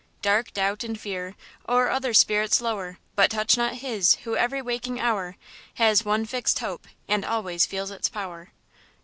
Dark doubt and fear, o'er other spirits lower, But touch not his, who every waking hour, Has one fixed hope and always feels its power.